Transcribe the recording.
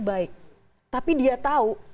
baik tapi dia tahu